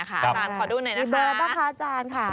อาจารย์ขอดูหน่อยนะคะมีเบอร์บ้างคะอาจารย์คะ